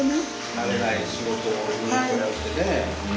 慣れない仕事に変えてね。